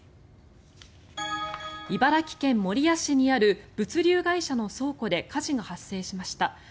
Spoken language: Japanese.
茨城県守谷市にある物流会社の倉庫で火事が発生しました。